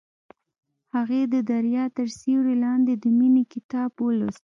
هغې د دریا تر سیوري لاندې د مینې کتاب ولوست.